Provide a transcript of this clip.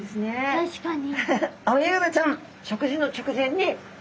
確かに。